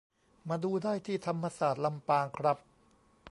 มาดูได้ที่ธรรมศาสตร์ลำปางครับ